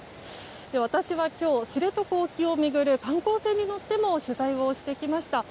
私は今日、知床沖を巡る観光船に乗っての取材をしてきました。